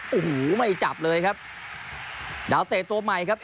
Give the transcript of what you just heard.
โอ้โหไม่จับเลยครับดาวเตะตัวใหม่ครับ